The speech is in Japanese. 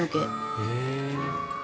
へえ。